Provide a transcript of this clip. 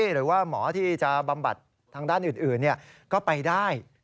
หรือว่าหมอที่จะบำบัดทางด้านอื่นก็ไปได้